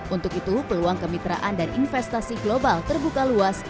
untuk itu peluang kemitraan dan investasi global terbuka luas